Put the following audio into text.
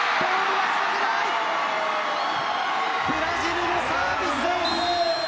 ブラジルのサービスエース。